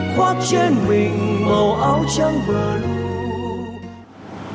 khoác trên mình màu áo trắng và lù